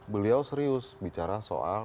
beliau serius bicara soal